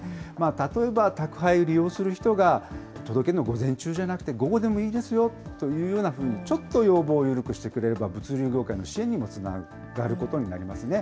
例えば、宅配を利用する人が、届けるの午前中じゃなくて午後でもいいですよというようなふうに、ちょっと要望を緩くしてくれれば、物流業界の支援にもつながることになりますね。